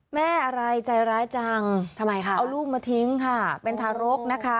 แม่อะไรใจร้ายจังทำไมคะเอาลูกมาทิ้งค่ะเป็นทารกนะคะ